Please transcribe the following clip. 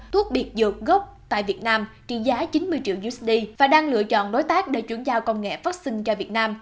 thuốc biệt dược gốc tại việt nam trị giá chín mươi triệu usd và đang lựa chọn đối tác để chuyển giao công nghệ phát sinh cho việt nam